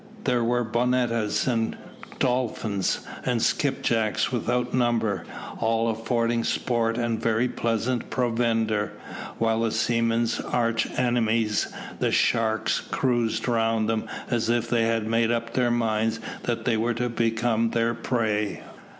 There were bonettas, and dolphins, and skipjacks without number, all affording sport and very pleasant provender; while the seaman's arch enemies, the sharks, cruised round them as if they had made up their minds that they were to become their prey.